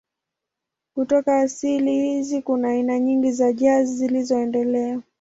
Kutoka asili hizi kuna aina nyingi za jazz zilizoendelea.